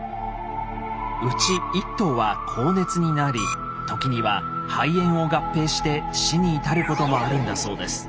内１頭は高熱になり時には肺炎を合併して死に至ることもあるんだそうです。